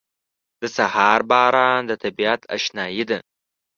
• د سهار باران د طبیعت اشنايي ده.